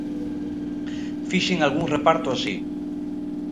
Fixen algún reparto así.